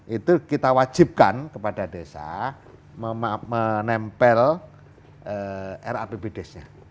itu kita wajibkan kepada desa menempel rapbdes nya